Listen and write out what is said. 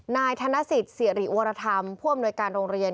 นายธนสิทธิ์สิริวรธรรมผู้อำนวยการโรงเรียน